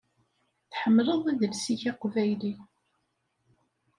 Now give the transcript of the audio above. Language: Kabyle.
Tḥemmleḍ idles-ik aqbayli.